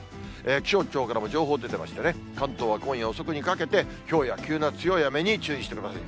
気象庁からも情報出てましてね、関東は今夜遅くにかけて、ひょうや急な強い雨に注意してください。